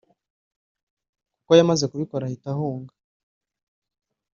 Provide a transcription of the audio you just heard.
kuko yamaze kubikora ahita ahunga